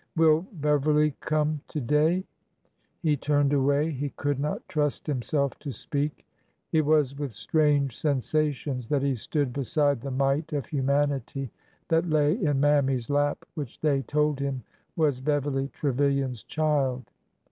Will Beverly come to day ?'' He turned away. He could not trust himself to speak. It was with strange sensations that he stood beside the mite of humanity that lay in Mammy's lap, which they told him was Beverly Trevilian's child.